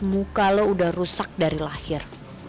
muka lo udah rusak dari lahir